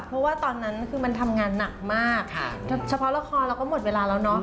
เพราะว่าตอนนั้นคือมันทำงานหนักมากเฉพาะละครเราก็หมดเวลาแล้วเนาะ